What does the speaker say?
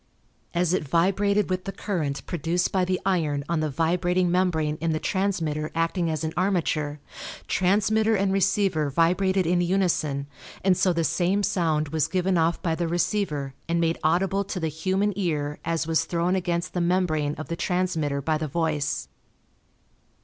As it vibrated with the current produced by the iron on the vibrating membrane in the transmitter acting as an armature, transmitter and receiver vibrated in unison and so the same sound was given off by the receiver and made audible to the human ear as was thrown against the membrane of the transmitter by the voice.